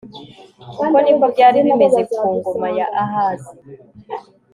uko ni ko byari bimeze ku ngoma ya ahazi